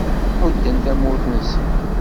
Ḥudden tamurt-nnsen